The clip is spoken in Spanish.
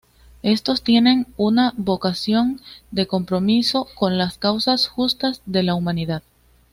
Estos tienen una vocación de compromiso con las causas justas de la humanidad.